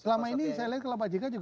selama ini saya lihat kalau pak jk juga